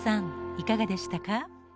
いかがでしたか？